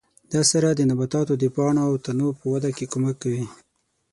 دا سره د نباتاتو د پاڼو او تنو په وده کې کومک کوي.